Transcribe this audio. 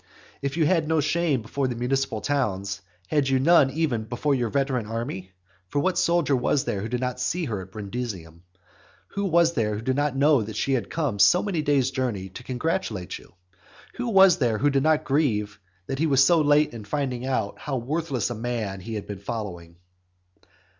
If you had no shame before the municipal towns, had you none even before your veteran army? For what soldier was there who did not see her at Brundusium? who was there who did not know that she had come so many days' journey to congratulate you? who was there who did not grieve that he was so late in finding out how worthless a man he had been following?